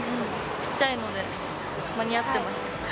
小っちゃいので間に合ってます。